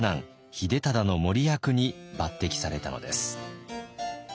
秀忠の傅役に抜てきされたのです。